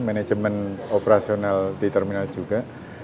manajemen operasional di terminal juga